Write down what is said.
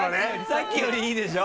さっきよりいいでしょ？